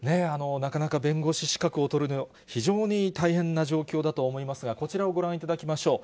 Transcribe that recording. なかなか弁護士資格を取るのは非常に大変な状況だと思いますが、こちらをご覧いただきましょう。